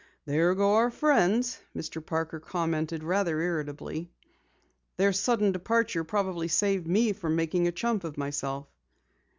"There go our friends," Mr. Parker commented rather irritably. "Their sudden departure probably saved me from making a chump of myself."